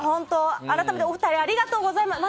改めてお二人ありがとうございます。